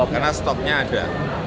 karena stoknya ada